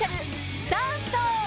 スタート。